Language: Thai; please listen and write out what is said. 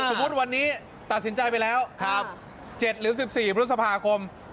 สมมุติวันนี้ตัดสินใจไปแล้ว๗หรือ๑๔พฤษภาคม